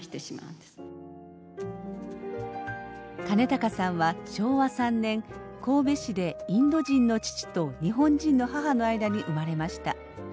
兼高さんは昭和３年神戸市でインド人の父と日本人の母の間に生まれました。